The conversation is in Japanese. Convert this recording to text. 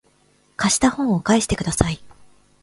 貸した本を返してください